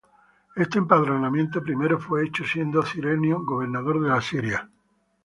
Este empadronamiento primero fué hecho siendo Cirenio gobernador de la Siria.